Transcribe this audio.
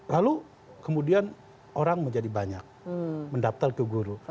lalu kemudian orang menjadi banyak mendaftar ke guru